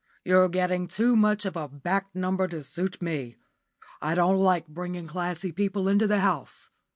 You're getting too much of a back number to suit me. I don't like bringing classy people into the house.